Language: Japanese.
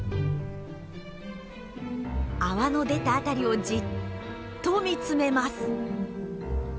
泡の出た辺りをじっと見つめます。